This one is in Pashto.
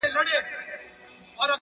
پښه د هغې ده او پر مځکه باندي پل زه یم’